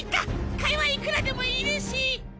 替えはいくらでもいるし。